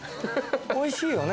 おいしいよね